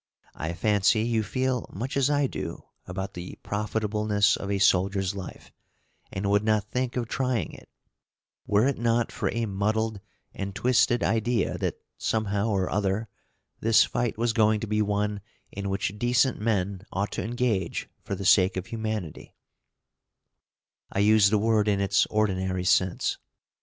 I fancy you feel much as I do about the profitableness of a soldier's life, and would not think of trying it, were it not for a muddled and twisted idea that somehow or other this fight was going to be one in which decent men ought to engage for the sake of humanity, I use the word in its ordinary sense.